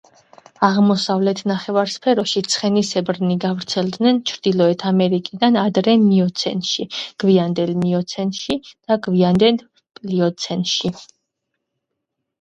აღმოსავლეთ ნახევარსფეროში ცხენისებრნი გავრცელდნენ ჩრდილოეთ ამერიკიდან ადრე მიოცენში, გვიანდელ მიოცენში და გვიანდელ პლიოცენში.